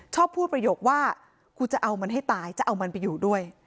ชอบพูดประโยคว่ากูจะเอามันให้ตายจะเอามันไปอยู่ด้วย